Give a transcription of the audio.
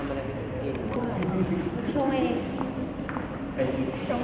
โดดีโดดีโดดีโดดีโด